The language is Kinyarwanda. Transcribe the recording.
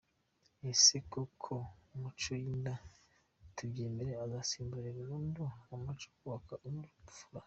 Ese koko amaco y’inda tubyemere azasimbure burundu umuco wo kubaha n’ubupfura?